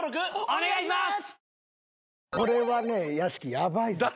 お願いします。